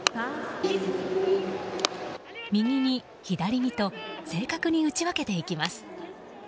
右に、左にと正確に打ち分けていきます。